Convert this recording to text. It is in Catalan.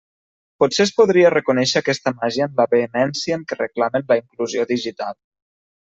Potser es podria reconèixer aquesta màgia en la vehemència amb què reclamen la inclusió digital.